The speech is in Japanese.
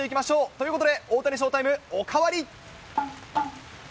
ということで、大谷ショータイムおかわり。